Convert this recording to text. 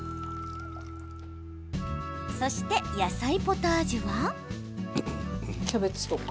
そして、野菜ポタージュは。